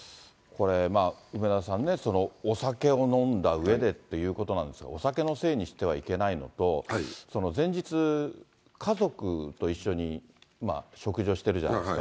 梅沢さん、お酒を飲んだうえでっていうことなんですが、お酒のせいにしてはいけないのと、前日、家族と一緒に食事をしてるじゃないですか。